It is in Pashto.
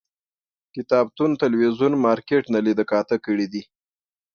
کتابتون، تلویزون، مارکيټ نه لیده کاته کړي